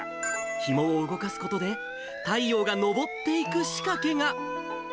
ひもを動かすことで、太陽が昇っていく仕掛けが。